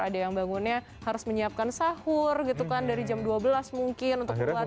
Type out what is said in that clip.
ada yang bangunnya harus menyiapkan sahur gitu kan dari jam dua belas mungkin untuk berlatih